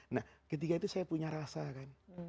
nah ketika itu saya punya rasa kan